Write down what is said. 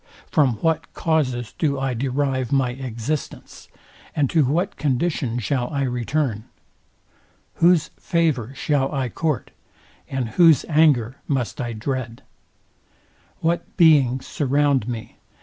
From what causes do I derive my existence, and to what condition shall I return? Whose favour shall I court, and whose anger must I dread? What beings surround me?